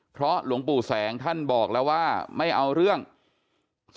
เพราะทนายอันนันชายชายเดชาบอกว่าจะเป็นการเอาคืนยังไง